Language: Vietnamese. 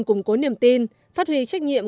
củng cố niềm tin phát huy trách nhiệm